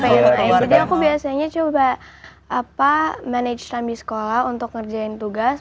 jadi aku biasanya coba manage time di sekolah untuk ngerjain tugas